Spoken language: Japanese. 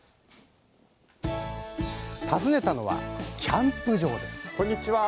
訪ねたのはキャンプ場ですこんにちは。